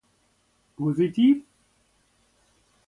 Positiv?